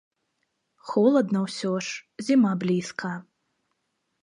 Холадна ўсё ж, зіма блізка.